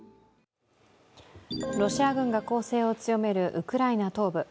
ロシア軍が攻勢を強めるウクライナ東部。